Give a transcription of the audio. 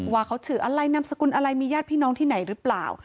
ว่าเขาชื่ออะไรนามสกุลอะไรมีญาติพี่น้องที่ไหนหรือเปล่า